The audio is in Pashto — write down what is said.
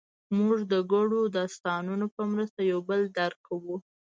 موږ د ګډو داستانونو په مرسته یو بل درک کوو.